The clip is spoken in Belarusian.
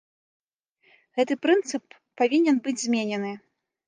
Гэты прынцып павінен быць зменены.